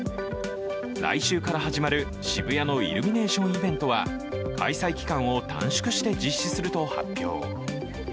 来週から始まる渋谷のイルミネーションイベントは開催期間を短縮して実施すると発表。